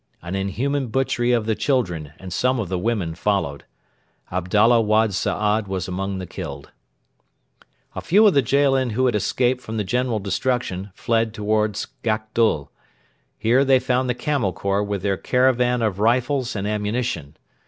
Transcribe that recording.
An inhuman butchery of the children and some of the women followed. Abdalla Wad Saad was among the killed. A few of the Jaalin who had escaped from the general destruction fled towards Gakdul. Here they found the Camel Corps with their caravan of rifles and ammunition.